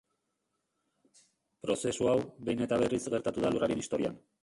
Prozesu hau, behin eta berriz gertatu da Lurraren historian.